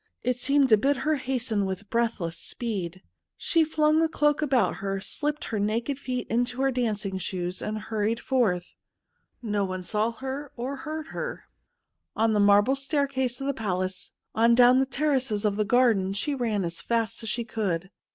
It seemed to bid her hasten with breathless speed. She flung a cloak around her, slipped her naked feet into her dancing shoes, and hurried forth. No one saw her or heard her — on the marble staircase of the palace, on down the terraces of the garden, she ran as fast as she could.